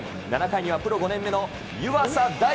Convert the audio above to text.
７回にはプロ５年目の湯浅大。